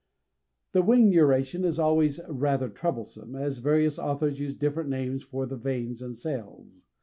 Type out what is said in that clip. The wing neuration is always rather troublesome, as various authors use different names for the veins and cells.